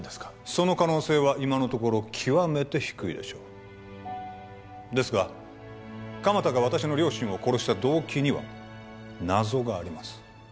その可能性は今のところ極めて低いでしょうですが鎌田が私の両親を殺した動機には謎があります